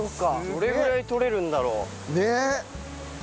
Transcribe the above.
どれぐらい採れるんだろう？